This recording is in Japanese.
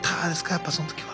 やっぱその時は。